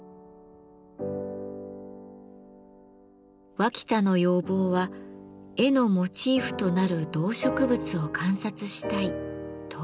脇田の要望は「絵のモチーフとなる動植物を観察したい」ということ。